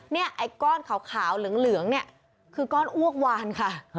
ไอ้ก้อนขาวเหลืองเนี่ยคือก้อนอ้วกวานค่ะ